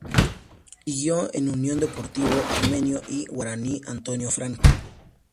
Siguió en Unión, Deportivo Armenio y Guaraní Antonio Franco.